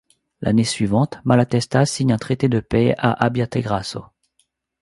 L'année suivante, Malatesta signe un traité de paix à Abbiategrasso.